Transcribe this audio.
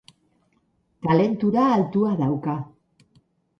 Kalentura altua dauka.